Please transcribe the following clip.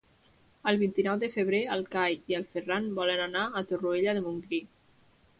El vint-i-nou de febrer en Cai i en Ferran volen anar a Torroella de Montgrí.